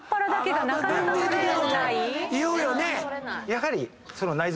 やはり。